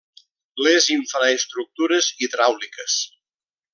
Les infraestructures hidràuliques.